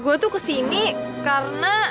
gue tuh kesini karena